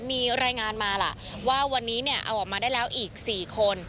มีรายงานมาล่ะว่าวันนี้เนี่ยเอาออกมาได้แล้วอีก๔คน